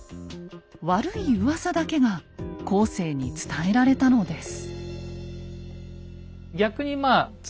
悪いうわさだけが後世に伝えられたのです。